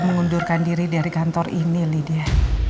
mengundurkan diri dari kantor ini lydia